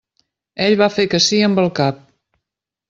Ell va fer que sí amb el cap.